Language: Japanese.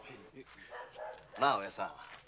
なあおやじさん。